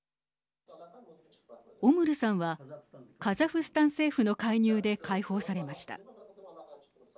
オムルさんはカザフスタン政府の介入で解放されました。